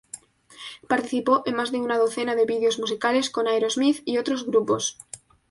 Participó en más de una docena de videos musicales con Aerosmith y otros grupos.